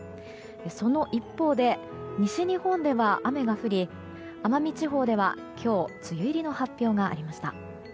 その一方で西日本では雨が降り奄美地方では、今日梅雨入りの発表がありました。